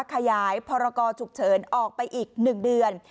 ขยายพรกรฉุกเฉินออกไปอีก๑เดือน